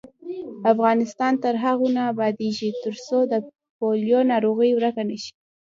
افغانستان تر هغو نه ابادیږي، ترڅو د پولیو ناروغي ورکه نشي.